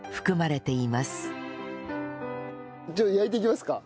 じゃあ焼いていきますか。